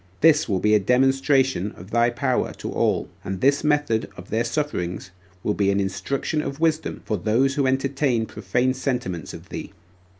This will be a demonstration of thy power to all and this method of their sufferings will be an instruction of wisdom for those that entertain profane sentiments of thee.